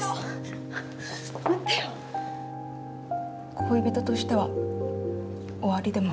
恋人としては終わりでも。